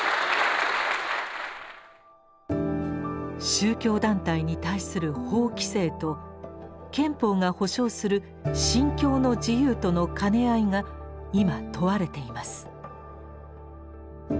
宗教団体に対する法規制と憲法が保障する「信教の自由」との兼ね合いが今問われています。